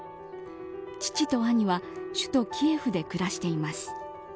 父と兄は首都キエフで暮らしています。